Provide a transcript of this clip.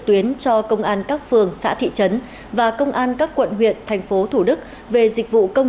tuyến cho công an các phường xã thị trấn và công an các quận huyện thành phố thủ đức về dịch vụ công